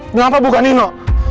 kenapa bukan nino